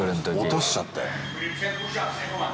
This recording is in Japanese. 落としちゃったよ。